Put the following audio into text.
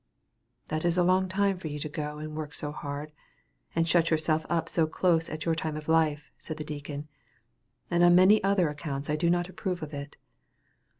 "That is a long time for you to go and work so hard, and shut yourself up so close at your time of life," said the deacon, "and on many other accounts I do not approve of it."